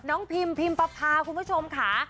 พิมพิมประพาคุณผู้ชมค่ะ